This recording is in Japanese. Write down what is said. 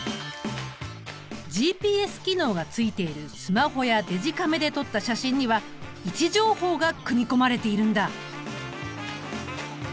ＧＰＳ機能がついているスマホやデジカメで撮った写真には位置情報が組み込まれているんだ。